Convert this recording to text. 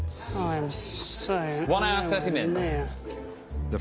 よし。